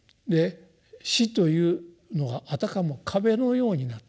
「死」というのがあたかも壁のようになってですね